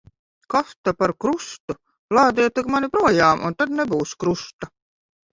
Kas ta par krustu. Laidiet tik mani projām, un tad nebūs krusta.